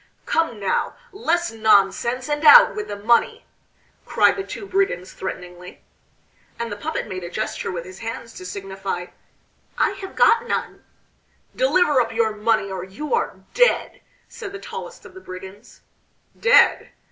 "Come now! Less nonsense and out with the money!" cried the two brigands threateningly. And the puppet made a gesture with his hands to signify "I have got none." "Deliver up your money or you are dead," said the tallest of the brigands. "Dead!"